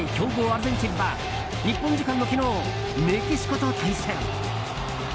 アルゼンチンは日本時間の昨日、メキシコと対戦。